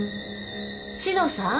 志乃さん。